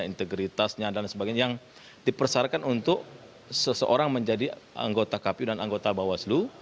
integritasnya dan sebagainya yang dipersyaratkan untuk seseorang menjadi anggota kpu dan anggota bawaslu